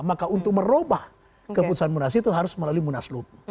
maka untuk merubah keputusan munas itu harus melalui munaslup